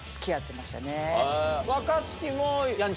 若槻も。